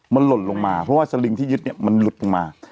มันหล่นลงมาเพราะว่าสลิงที่ยึดเนี่ยมันหลุดลงมา